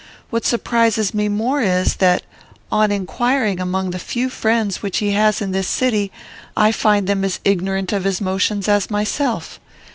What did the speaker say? What surprises me more is, that, on inquiring among the few friends which he has in this city, I find them as ignorant of his motions as myself.